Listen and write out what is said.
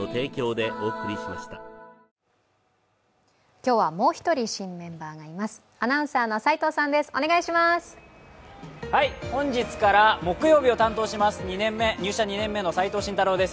今日はもう一人新メンバーがいます。